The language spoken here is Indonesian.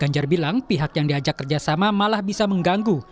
ganjar bilang pihak yang diajak kerjasama malah bisa mengganggu